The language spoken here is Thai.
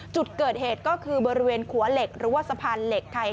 จุดเกิดเหตุก็คือบริเวณขัวเหล็กหรือว่าสะพานเหล็กไทย